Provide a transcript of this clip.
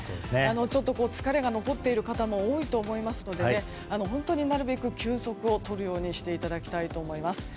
ちょっと疲れが残っている方も多いと思いますので本当になるべく休息をとるようにしていただきたいと思います。